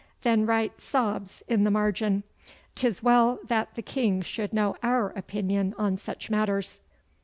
'Then write "sobs" in the margin. 'Tis well that the King should know our opinion on such matters.